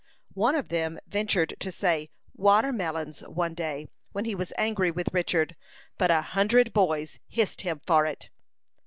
One of them ventured to say "watermelons," one day, when he was angry with Richard, but a hundred boys hissed him for it.